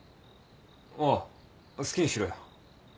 ああ好きにしろよ。